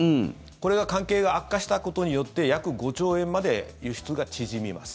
これは関係が悪化したことによって約５兆円まで輸出が縮みます。